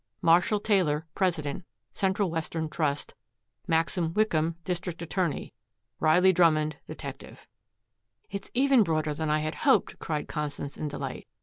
"Marshall Taylor, Pres. Central Western Trust." "Maxwell Wickham, District Att'y." "Riley Drummond, Detective." "It is even broader than I had hoped," cried Constance in delight.